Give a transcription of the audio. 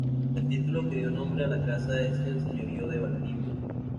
El título que dio nombre a la casa es el Señorío de Valdivia.